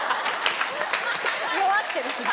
弱ってる。